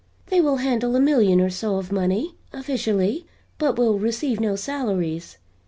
They will handle a million or so of money, officially, but will receive no salaries.